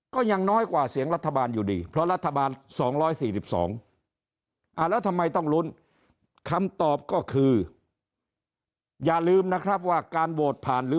ก็ยังน้อยกว่าเสียงรัฐบาลอยู่ดีเพราะรัฐบาล๒๔๒